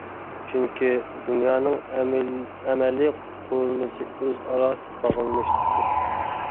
چۈنكى دۇنيانىڭ ئەمەلىي قۇرۇلمىسى ئۆزئارا باغلىنىشلىقتۇر.